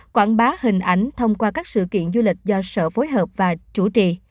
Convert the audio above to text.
quảng bá hình ảnh thông qua các sự kiện du lịch do sở phối hợp và chủ trì